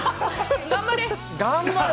頑張れ。